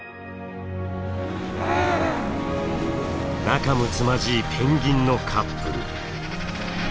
仲むつまじいペンギンのカップル。